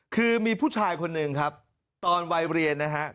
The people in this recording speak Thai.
คือมีผู้ชายคนหนึ่งครับตอนวัยเรียนนะฮะ